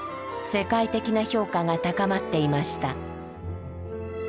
世界的な評価が高まっていました。